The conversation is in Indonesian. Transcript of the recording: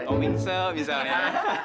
tom winslet misalnya